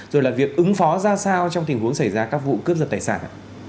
rồi là việc ứng phó ra sao trong tình huống xảy ra các vụ cướp giật tài sản